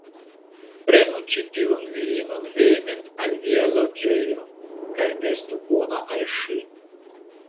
Prenu ĉi tiun virinon hejmen al via loĝejo, kaj estu bona al ŝi.